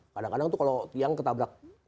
kadang kadang tuh kalau tiang ketabrak